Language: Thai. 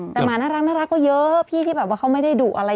แต่หมาน่ารักก็เยอะพี่ที่แบบว่าเขาไม่ได้ดุอะไร